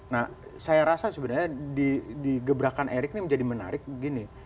nah saya rasa sebenarnya di gebrakan erick ini menjadi menarik begini